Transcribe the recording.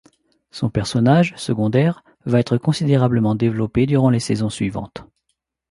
Son personnage, secondaire, va être considérablement développé durant les saisons suivantes.